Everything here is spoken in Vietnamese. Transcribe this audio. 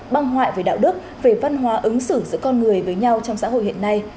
băng hoại về đạo đức về văn hóa ứng xử giữa con người với nhau trong xã hội hiện nay